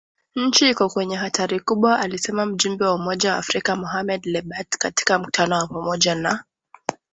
nchi iko kwenye hatari kubwa alisema mjumbe wa Umoja wa Afrika, Mohamed Lebatt katika mkutano wa pamoja na